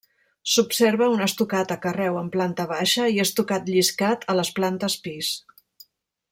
S'observa un estucat a carreu en planta baixa i estucat lliscat a les plantes pis.